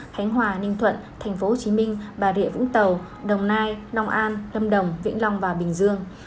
khánh hòa ninh thuận tp hcm bà rịa vũng tàu đồng nai long an lâm đồng vĩnh long và bình dương